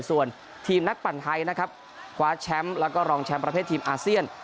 ส่วนทีมนักปั่นไทยนะครับคว้าแชมป์แล้วก็รองแชมป์ประเภททีมอาเซียน